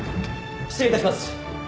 失礼いたします。